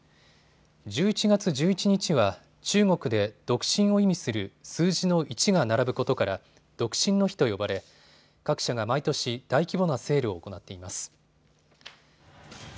１１月１１日は中国で独身を意味する数字の１が並ぶことから独身の日と呼ばれ各社が毎年、大規模なセールを行っています。